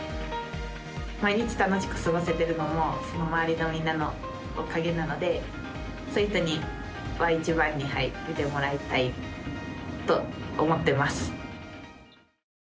毎日楽しく過ごせてるのもまわりのみんなのおかげなのでそういったところは一番に見てもらいたいと思ってます。